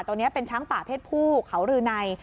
ตัวนี้เป็นช้างป่าเพศผู้เขารือใน